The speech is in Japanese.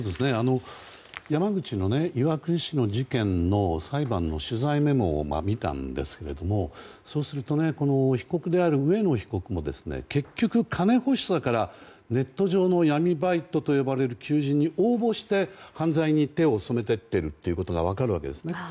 山口の岩国市の事件の裁判の取材メモを見たんですが、そうすると被告である上野被告も結局、金欲しさからネット上の闇バイトと呼ばれる求人に応募して、犯罪に手を染めていっていることが分かるわけですね。